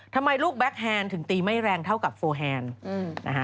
ทำไมลูกแก๊คแฮนด์ถึงตีไม่แรงเท่ากับโฟแฮนด์นะฮะ